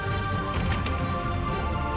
tahlilan itu biasa